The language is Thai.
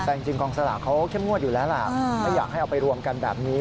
แต่จริงกองสลากเขาเข้มงวดอยู่แล้วล่ะไม่อยากให้เอาไปรวมกันแบบนี้